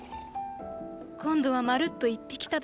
今度はまるっと一匹食べた。